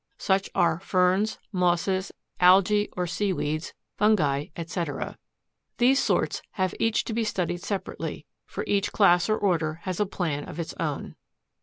Such are Ferns, Mosses, Algæ or Seaweeds, Fungi, etc. These sorts have each to be studied separately, for each class or order has a plan of its own.